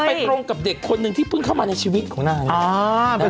ตรงกับเด็กคนหนึ่งที่เพิ่งเข้ามาในชีวิตของนาง